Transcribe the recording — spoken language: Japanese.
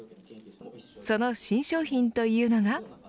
その新商品というのが。